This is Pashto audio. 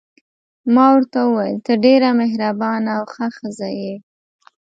ما ورته وویل: ته ډېره مهربانه او ښه ښځه یې.